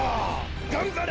がんばれ！